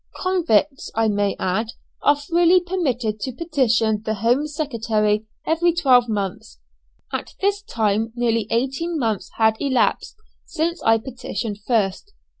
Convicts, I may add, are freely permitted to petition the Home Secretary every twelve months; at this time nearly eighteen months had elapsed since I petitioned first.